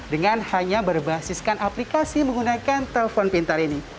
dengan hanya berbasiskan aplikasi menggunakan telepon pintar ini